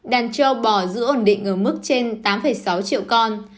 đàn trâu bò giữ ổn định ở mức trên tám sáu triệu con